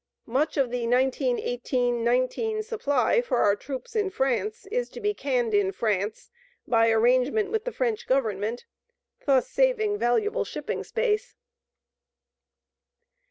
Much of the 1918 19 supply for our troops in France is to be canned in France, by arrangement with the French Government, thus saving valuable shipping space.